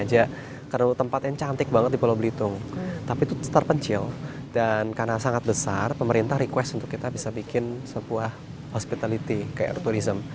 jadi kita bisa bikin tempat yang cantik banget di pulau belitung tapi itu terpencil dan karena sangat besar pemerintah request untuk kita bisa bikin sebuah hospitality kayak air tourism